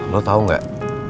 lo tau gak